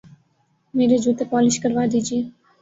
میرے جوتے پالش کروا دیجئے